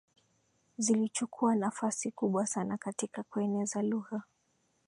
zilichukua nafasi kubwa sana katika kueneza lugha